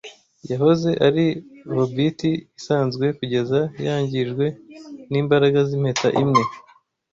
yahoze ari hobiti isanzwe kugeza yangijwe nimbaraga z’ Impeta imwe